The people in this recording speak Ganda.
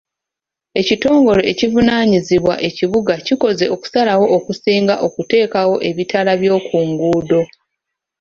Ekitongole ekivunaanyizibwa ekibuga kikoze okusalawo okusinga okuteekawo ebitaala by'oku nguudo.